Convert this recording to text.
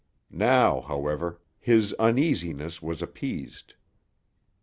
Now, however, his uneasiness was appeased.